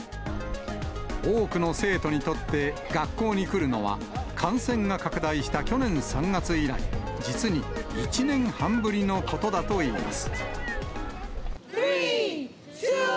多くの生徒にとって、学校に来るのは感染が拡大した去年３月以来、実に１年半ぶりのことだといいます。